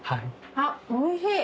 あっおいしい。